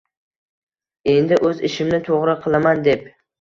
“endi o‘z ishimni to‘g‘ri qilaman” deb